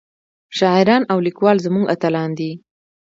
شاعران او ليکوال زمونږ اتلان دي